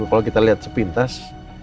kalau kita lihat sepintas